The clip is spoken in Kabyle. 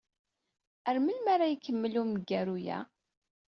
Ar melmi ara ikemmel umgaru-a?